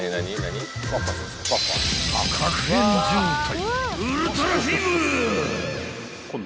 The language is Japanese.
［確変状態］